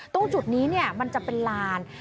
ตรงจุดนี้มันจะเป็นลาน